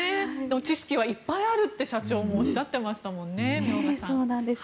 知識はいっぱいあるって社長もおっしゃってましたもんね明賀さん。